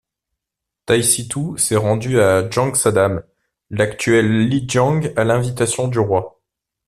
Taï sitou s'est rendu à Jang Sadam, l'actuel Lijiang à l'invitation du roi.